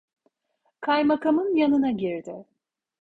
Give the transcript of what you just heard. Kaymakamın yanına girdi…